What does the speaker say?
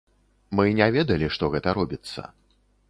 Мы не ведалі, што гэта робіцца.